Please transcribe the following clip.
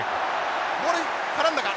ボール絡んだか？